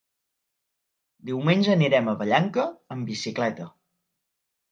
Diumenge anirem a Vallanca amb bicicleta.